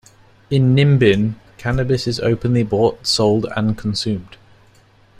In Nimbin, cannabis is openly bought, sold and consumed.